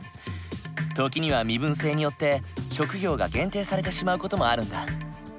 時には身分制によって職業が限定されてしまう事もあるんだ。